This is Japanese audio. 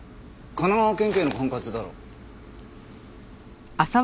神奈川県警の管轄だろ？